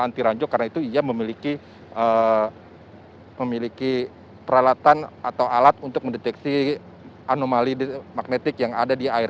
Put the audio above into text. anti ranjau karena itu ia memiliki peralatan atau alat untuk mendeteksi anomali magnetik yang ada di air